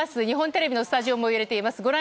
日本テレビのスタジオも揺れています。